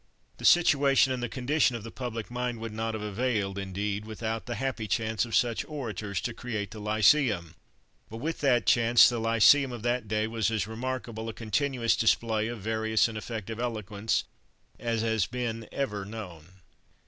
The situation and the condition of the public mind would not have availed, indeed, without the happy chance of such orators to create the lyceum, but with that chance the lyceum of that day was as remarkable a continuous display of various and effective eloquence as has been ever known.